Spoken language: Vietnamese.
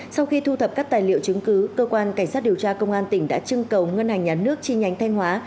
sau khi thu thập các tài liệu chứng cứ cơ quan cảnh sát điều tra công an tỉnh đã trưng cầu ngân hàng nhà nước chi nhánh thanh hóa